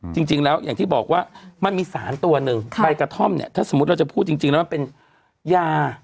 จริงแล้วอย่างที่บอกว่ามันมีสารตัวหนึ่งใบกระท่อมเนี่ยถ้าสมมุติเราจะพูดจริงแล้วมันเป็นยา